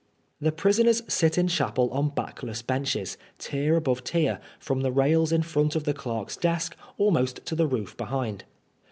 The prisoners sit in chapel on backless benches, tier above tier, from the rails in front of the clerk's desk almost to the roof behind.